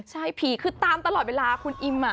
ใช่ผีคือตามตลอดเวลาคุณอิม